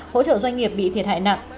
hỗ trợ doanh nghiệp bị thiệt hại nặng